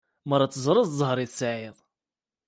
Mer ad teẓreḍ zzheṛ i tesɛiḍ!